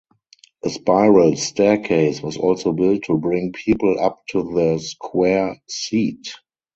A spiral staircase was also built to bring people up to the square seat.